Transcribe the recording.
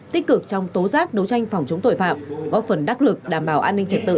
tích cực trong tố giác đấu tranh phòng chống tội phạm góp phần đắc lực đảm bảo an ninh trật tự